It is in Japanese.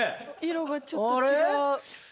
色がちょっと違う。